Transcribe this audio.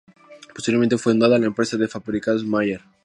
Posteriormente funda la empresa de prefabricados Maher.